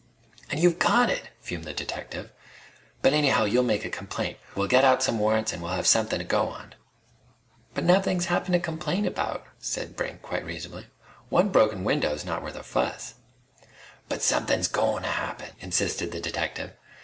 "And you've got it!" fumed the detective. "But anyhow you'll make a complaint. We'll get out some warrants, and we'll have somethin' to go on " "But nothing's happened to complain about," said Brink, quite reasonably. "One broken window's not worth a fuss." "But somethin's goin' to happen!" insisted the detective.